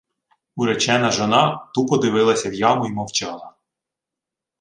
Уречена жона тупо дивилася в яму й мовчала.